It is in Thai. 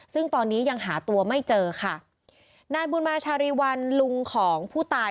ซึ่งตอนนี้ยังหาตัวไม่เจอค่ะนายบุญมาชารีวันลุงของผู้ตาย